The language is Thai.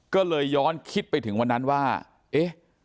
ก็เลยย้อนคิดไปถึงวันนั้นว่าเอ๊ะ